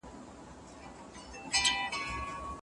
هغه له ډېر پخوا څخه په همدې برخه کي څېړنه کوله.